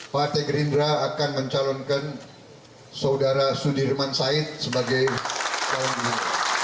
partai gerindra akan mencalonkan saudara sudirman said sebagai calon ini